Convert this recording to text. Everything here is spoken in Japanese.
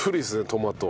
トマト。